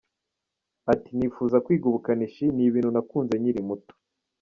Ati « Nifuza kwiga ubukanishi, ni ibintu nakunze nkiri muto.